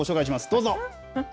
どうぞ。